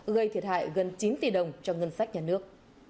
gây thiệt hại gần chín tỷ đồng cho ngân sách nhà nước